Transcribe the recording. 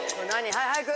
はい早く！